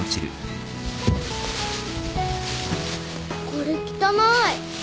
これ汚い。